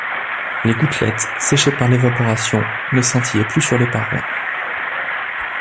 Les gouttelettes, séchées par l’évaporation, ne scintillaient plus sur les parois.